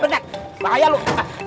bener bahaya loh